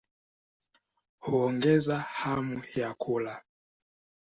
Huongeza hamu ya kula.